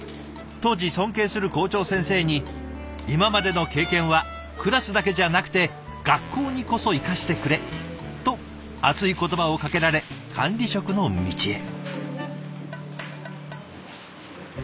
当時尊敬する校長先生に「今までの経験はクラスだけじゃなくて学校にこそ生かしてくれ」と熱い言葉をかけられ管理職の道へ。